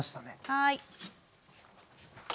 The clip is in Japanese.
はい。